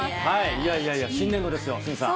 いやいやいや、新年度ですよ、鷲見さん。